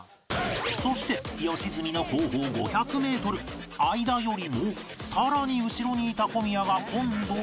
そして良純の後方５００メートル相田よりもさらに後ろにいた小宮が今度は